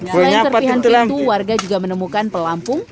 selain serpihan pintu warga juga menemukan pelampung